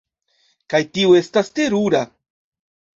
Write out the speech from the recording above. Kaj tio estas terura!